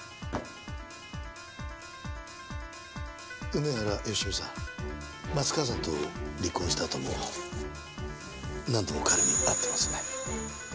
梅原芳美さん松川さんと離婚したあとも何度も彼に会ってますね？